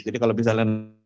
jadi kalau misalnya